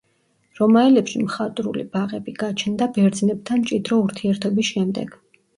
რომაელებში მხატვრული ბაღები გაჩნდა ბერძნებთან მჭიდრო ურთიერთობის შემდეგ.